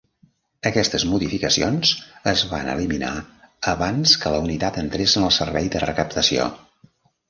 Aquestes modificacions es van eliminar abans que la unitat entrés en el servei de recaptació.